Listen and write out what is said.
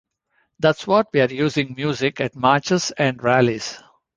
That's what we're using music at marches and rallies.